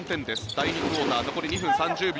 第２クオーター残り２分３０秒。